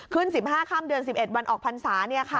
คืนสิบห้าข้ามเดือนสิบเอ็ดวันออกพรรษา